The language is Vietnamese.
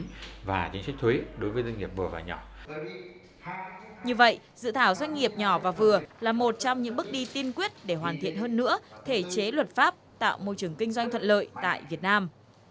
như vậy dự thảo doanh nghiệp nhỏ và vừa là một trong những bước đi tiên quyết để hoàn thiện hơn nữa thể chế luật pháp tạo môi trường kinh doanh thuận lợi tại việt nam